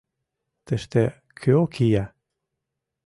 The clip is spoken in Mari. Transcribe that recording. — Тыште кӧ кия?